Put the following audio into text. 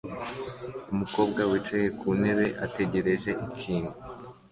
Umukobwa wicaye ku ntebe ategereje ikintu